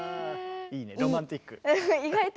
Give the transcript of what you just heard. いいねロマンチック。